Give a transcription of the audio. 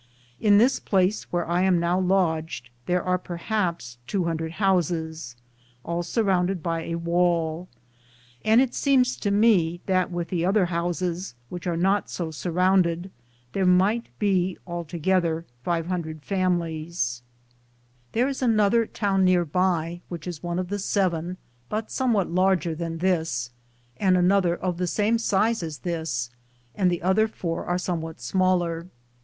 In this place where I am now lodged there are perhaps 200 houses, all surrounded by a wall, and it seems to me that with the other houses, which are not so surrounded, there might be altogether 500 families. There is another town near by, which is one of the seven, but somewhat larger than this, and another of the same size as this, and the other four are somewhat smaller.